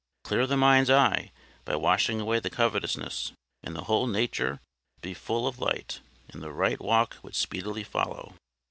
Clear the mind's eye, by washing away the covetousness, and the whole nature would be full of light, and the right walk would speedily follow.